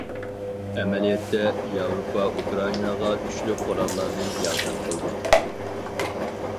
ئەمەلىيەتتە، ياۋروپا ئۇكرائىناغا كۈچلۈك قوراللارنى ياردەم قىلدى.